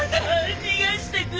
逃がしてくれ！